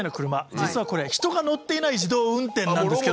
実はこれ人が乗っていない自動運転なんですけど。